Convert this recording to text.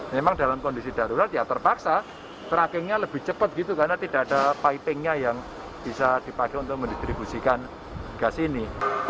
memang dalam kondisi darurat ya terpaksa trackingnya lebih cepat gitu karena tidak ada pipingnya yang bisa dipakai untuk mendistribusikan gas ini